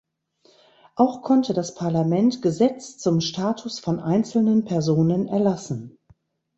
Auch konnte das Parlament Gesetz zum Status von einzelnen Personen erlassen.